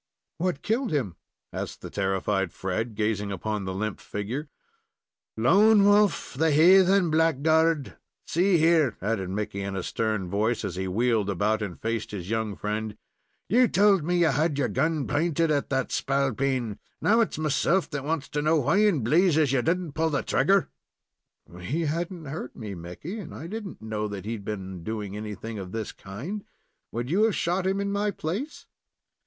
"What killed him?" asked the terrified Fred, gazing upon the limp figure. "Lone Wolf, the haythen blackguard. See here," added Mickey, in a stern voice, as he wheeled about and faced his young friend, "you told me you had your gun pinted at that spalpeen; now it's meself that wants to know why in blazes you did n't pull the trigger?" "He hadn't hurt me, Mickey, and I did n't know that he had been doing anything of this kind. Would you have shot him, in my place?"